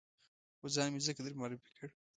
خو ځان مې ځکه در معرفي کړ.